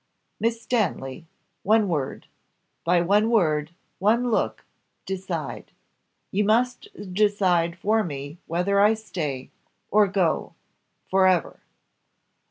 "Miss Stanley, one word by one word, one look decide. You must decide for me whether I stay or go for ever!"